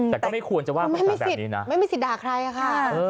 แต่ก็ไม่ควรจะว่าไม่มีสิทธิ์ด่าใครอะค่ะ